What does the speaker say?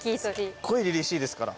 すごいりりしいですから。